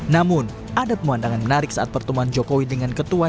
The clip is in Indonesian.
namun ada pemandangan menarik saat pertemuan jokowi dengan ketua